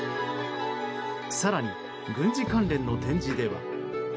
更に軍事関連の展示では。